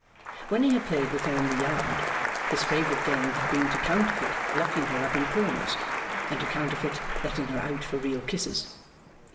When he had played with her in the yard, his favourite game had been to counterfeit locking her up in corners, and to counterfeit letting her out for real kisses.